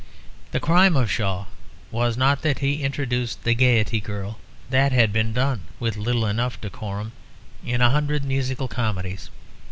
The crime of Shaw was not that he introduced the Gaiety Girl; that had been done, with little enough decorum, in a hundred musical comedies.